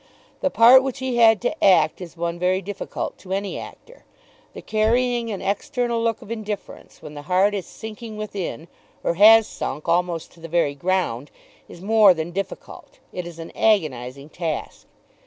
The part which he had to act is one very difficult to any actor. The carrying an external look of indifference when the heart is sinking within, or has sunk almost to the very ground, is more than difficult; it is an agonizing task.